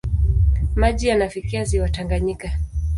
Maji yanafikia ziwa Tanganyika.